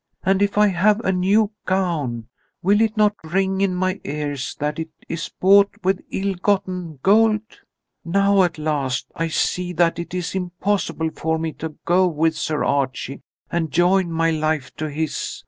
And if I have a new gown, will it not ring in my ears that it is bought with ill gotten gold? Now at last I see that it is impossible for me to go with Sir Archie and join my life to his.